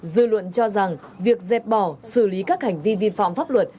dư luận cho rằng việc dẹp bỏ xử lý các hành vi vi phạm pháp luật